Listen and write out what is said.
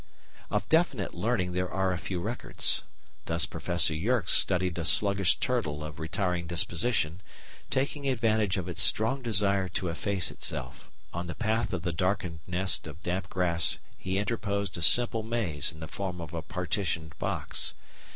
Of definite learning there are a few records. Thus Professor Yerkes studied a sluggish turtle of retiring disposition, taking advantage of its strong desire to efface itself. On the path of the darkened nest of damp grass he interposed a simple maze in the form of a partitioned box.